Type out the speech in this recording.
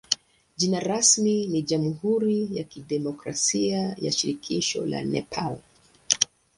Jina rasmi ni jamhuri ya kidemokrasia ya shirikisho la Nepal.